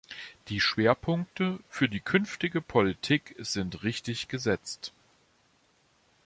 Die Schwerpunkte für die künftige Politik sind richtig gesetzt.